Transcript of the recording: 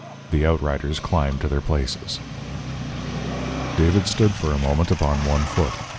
The outriders climbed to their places. David stood for a moment upon one foot.